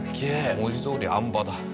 文字どおりあん馬だ。